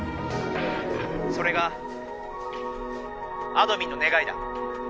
それがあどミンのねがいだ」。